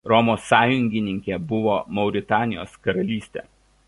Romos sąjungininkė buvo Mauritanijos karalystė.